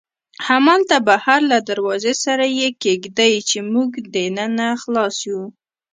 همالته بهر له دروازې سره یې کېږدئ، چې موږ دننه خلاص یو.